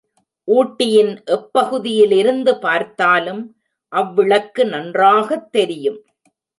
ஊட்டியின் எப்பகுதியிலிருந்து பார்த்தாலும் அவ்விளக்கு நன்றாகத் தெரியும்.